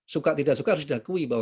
suka tidak suka harus diakui bahwa